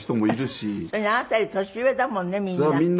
それにあなたより年上だもんねみんな。